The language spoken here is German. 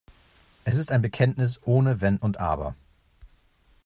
Es ist ein Bekenntnis ohne Wenn und Aber.